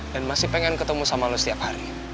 dan masih pengen ketemu sama lo setiap hari